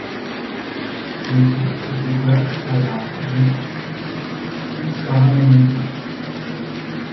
Le disque se classe à la du hit-parade américain.